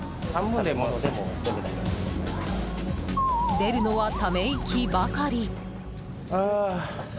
出るのは、ため息ばかり。